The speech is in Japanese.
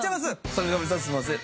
坂上さんすみません！